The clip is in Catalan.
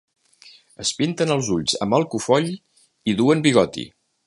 Es pinten els ulls amb alcofoll i duen bigoti.